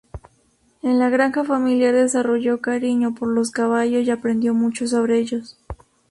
En la granja familiar desarrolló cariño por los caballos y aprendió mucho sobre ellos.